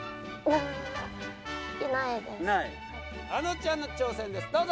あのちゃんの挑戦ですどうぞ！